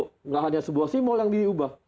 tidak hanya sebuah simbol yang diubah